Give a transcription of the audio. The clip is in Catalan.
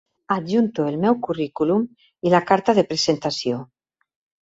Adjunto el meu currículum i la carta de presentació.